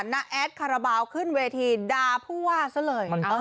นะแอดขระบาวขึ้นเวทีดาผู้ว่าเสียเลย